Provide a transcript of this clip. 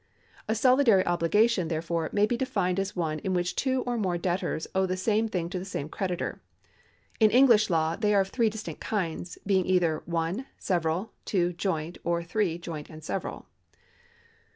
A soUdary obligation, therefore, may be defined as one in which two or more debtors owe the same thing to the same creditor. In English law they are of three distinct kinds, being either (1) several, (2) joint, or (3) joint and several.